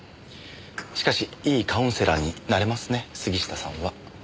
しかしいいカウンセラーになれますね杉下さんは。